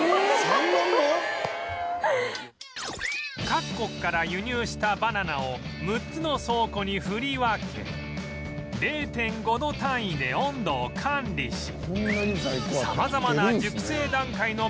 各国から輸入したバナナを６つの倉庫に振り分け ０．５ 度単位で温度を管理し